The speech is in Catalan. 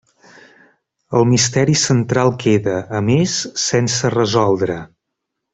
El misteri central queda, a més, sense resoldre.